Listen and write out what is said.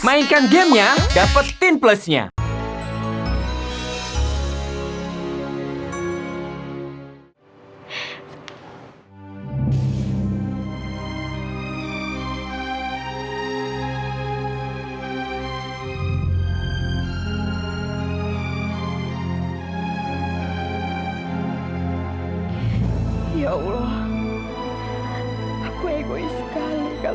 mainkan gamenya dapetin plusnya